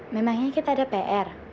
memangnya kita ada pr